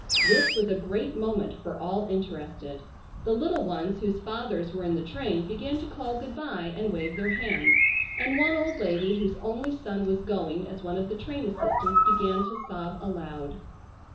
This was a great moment for all interested. The little ones whose fathers were in the train began to call good bye and wave their hands, and one old lady whose only son was going as one of the train assistants began to sob aloud.